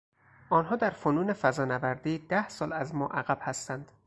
آنها در فنون فضانوردی ده سال از ما عقب هستند.